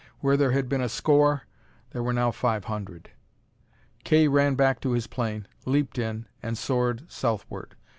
Where there had been a score, there were now five hundred! Kay ran back to his plane, leaped in, and soared southward.